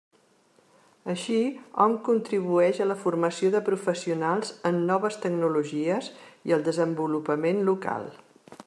Així, hom contribueix a la formació de professionals en noves tecnologies i al desenvolupament local.